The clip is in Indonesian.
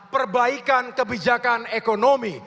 perbaikan kebijakan ekonomi